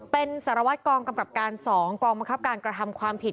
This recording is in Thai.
เป็นสารวัตรกองกำกับการ๒กองบังคับการกระทำความผิด